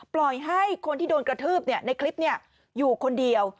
ปล่อยให้คนที่โดนกระทืบในคลิปอยู่คนเดียว